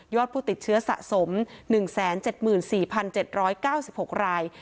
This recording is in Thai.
ผู้ติดเชื้อสะสม๑๗๔๗๙๖ราย